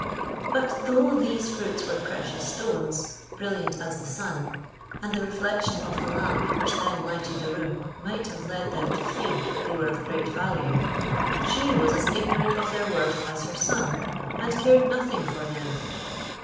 But, though these fruits were precious stones, brilliant as the sun, and the reflection of a lamp which then lighted the room might have led them to think they were of great value, she was as ignorant of their worth as her son, and cared nothing for them.